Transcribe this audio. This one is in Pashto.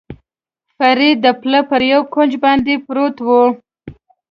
فرید د پله پر یوه کونج باندې پروت و.